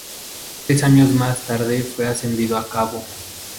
Tres años más tarde fue ascendido a cabo.